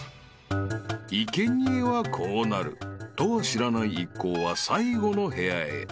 ［生贄はこうなるとは知らない一行は最後の部屋へ］